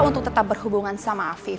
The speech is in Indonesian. untuk tetap berhubungan sama afif